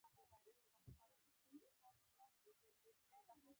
د مازیګر اذان شوی و خو لا مو لمونځ نه و کړی.